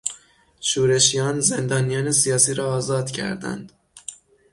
شورشیان، زندانیان سیاسی را آزاد کردند.